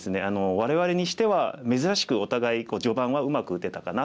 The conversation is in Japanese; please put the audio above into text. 我々にしては珍しくお互い序盤はうまく打てたかなと思います。